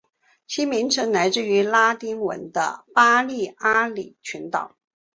其名称来自于拉丁文的巴利阿里群岛。